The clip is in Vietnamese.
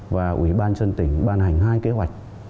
và ủy ban dân tỉnh ban hành hai kế hoạch